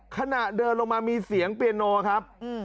ขณะเดินลงมามีเสียงเปียโนครับ